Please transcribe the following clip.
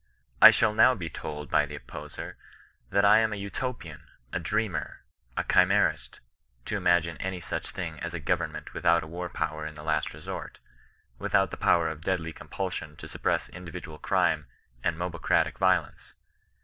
I shall now be told by the opposer that I am a Uto pian, a dreamer, a chimerist, to imagine any such thing as a government without a war power in the last resort — without the power of deadly compulsion to suppress in dividual crime and mobocratic violence.